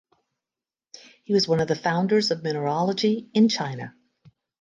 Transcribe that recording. He was one of the founders of mineralogy in China.